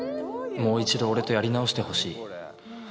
「もう一度俺とやり直してほしい」